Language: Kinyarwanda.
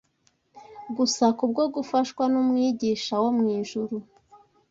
gusa kubwo gufashwa n’Umwigisha wo mu ijuru